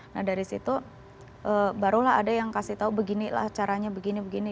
nah dari situ barulah ada yang kasih tahu beginilah caranya begini begini